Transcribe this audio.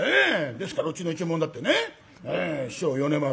ですからうちの一門だってね師匠米丸。